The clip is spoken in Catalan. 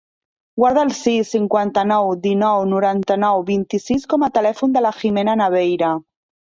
Guarda el sis, cinquanta-nou, dinou, noranta-nou, vint-i-sis com a telèfon de la Jimena Naveira.